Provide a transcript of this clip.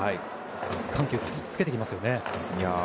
緩急をつけてきますね。